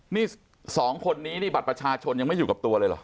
นี่สองคนนี้นี่บัตรประชาชนยังไม่อยู่กับตัวเลยเหรอ